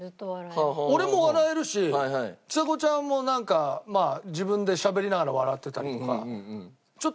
俺も笑えるしちさ子ちゃんもなんか自分でしゃべりながら笑ってたりとか。